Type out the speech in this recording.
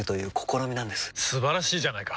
素晴らしいじゃないか！